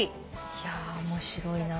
いや面白いな。